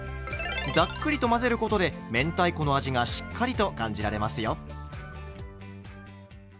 ざっくりと混ぜることで明太子の味がしっかりと感じられますよ。